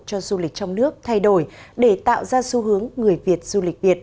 cho du lịch trong nước thay đổi để tạo ra xu hướng người việt